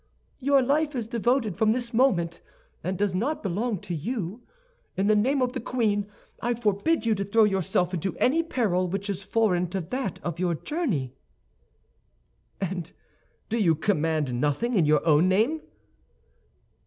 "Your life is devoted from this moment, and does not belong to you. In the name of the queen I forbid you to throw yourself into any peril which is foreign to that of your journey." "And do you command nothing in your own name?"